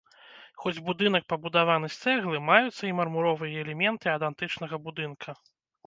Хоць будынак пабудаваны з цэглы, маюцца і мармуровыя элементы ад антычнага будынка.